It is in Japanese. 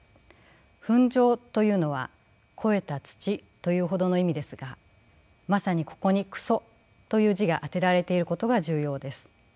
糞壌というのは肥えた土というほどの意味ですがまさにここに糞という字があてられていることが重要です。